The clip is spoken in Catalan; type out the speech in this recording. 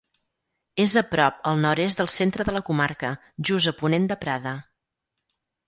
És a prop al nord-est del centre de la comarca, just a ponent de Prada.